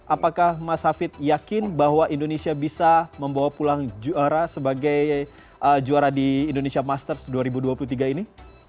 apakah mas hafid yakin bahwa indonesia bisa membawa pulang juara sebagai juara di indonesia masters dua ribu dua puluh tiga ini